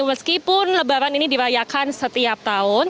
meskipun lebaran ini dirayakan setiap tahun